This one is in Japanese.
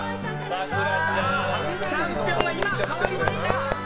チャンピオンが、今変わりました。